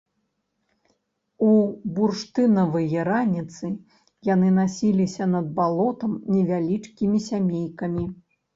У бурштынавыя раніцы яны насіліся над балотам невялічкімі сямейкамі.